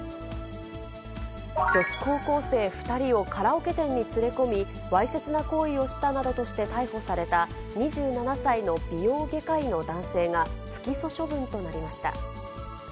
女子高校生２人をカラオケ店に連れ込み、わいせつな行為をしたなどとして逮捕された、２７歳の美容外科医の男性が、不起訴処分となりました。